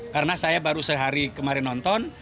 karena saya baru sehari kemarin nonton